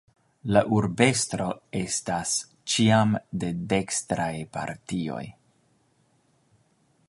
La urbestro esta ĉiam de dekstraj partioj.